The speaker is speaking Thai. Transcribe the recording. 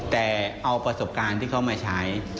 แต่เอาประสบการณ์ที่เขามาใช้